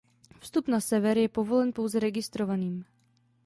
Vstup na server je povolen pouze registrovaným.